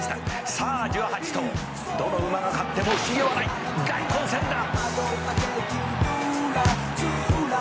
「さあ１８頭どの馬が勝っても不思議はない」「大混戦だ」